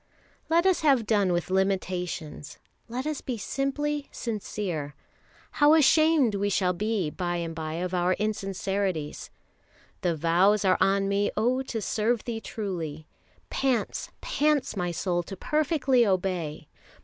Let us have done with limitations, let us be simply sincere. How ashamed we shall be by and by of our insincerities: Thy vows are on me, oh to serve Thee truly, Pants, pants my soul to perfectly obey!